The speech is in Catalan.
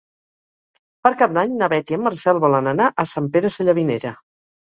Per Cap d'Any na Beth i en Marcel volen anar a Sant Pere Sallavinera.